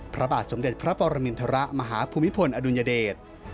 พระบาทสมเด็จพระปรมินทรมาฮภูมิพลอดุลยเดช